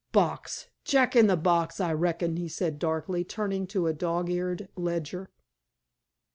"Box! Jack in the box, I reckon," he said darkly, turning to a dog eared ledger.